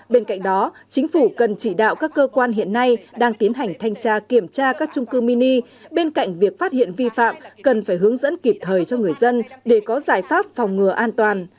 bên cạnh đó chính phủ cần chỉ đạo các cơ quan hiện nay đang tiến hành thanh tra kiểm tra các trung cư mini bên cạnh việc phát hiện vi phạm cần phải hướng dẫn kịp thời cho người dân để có giải pháp phòng ngừa an toàn